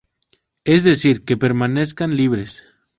Es decir, que permanezcan libres.